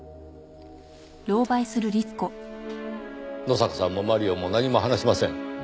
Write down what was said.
野坂さんもマリオも何も話しません。